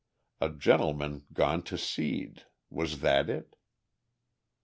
A gentleman gone to seed, was that it?